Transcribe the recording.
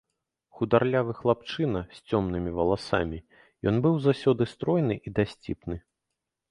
Хударлявы хлапчына, з цёмнымі валасамі, ён быў заўсёды стройны і дасціпны.